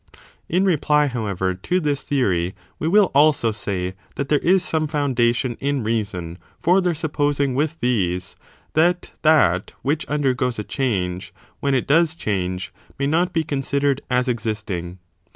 In reply, however, to this theory we will also «,„ say, that there is some foundation in reason for ticdogma, not" their supposing with these, that that which tSte^Srtnfth* is undergoes a change, when it does change, may argued againitt not be considered as existing.